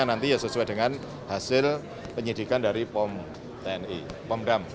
nanti ya sesuai dengan hasil penyidikan dari pom tni pomdam